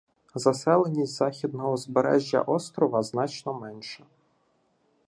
Заселеність Західного узбережжя острова значно менша.